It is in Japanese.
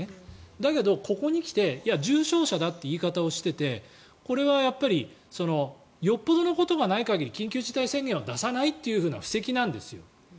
だけど、ここに来て重症者だという言い方をしててこれはやっぱりよっぽどのことがない限り緊急事態宣言は出さないという布石なんですよ。